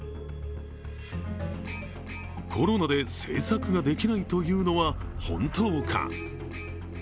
コロナで製作ができないというのは本当か。